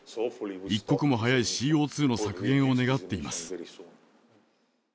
一刻も早いＣＯ２の削減を願っています。